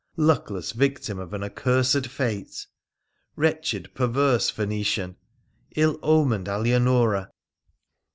— luckless victim of an accursed fate ! Wretched, perverse Phoenician ! Ill omened Alianora